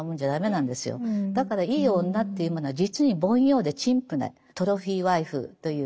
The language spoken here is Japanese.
だからいい女っていうものは実に凡庸で陳腐なトロフィーワイフという。